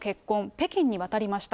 北京に渡りました。